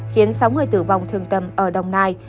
khiến sáu người tử vong thương tâm ở đồng nai